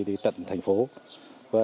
rất hài lòng ạ